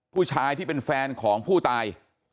ผู้ชายที่เป็นแฟนของผู้ตาย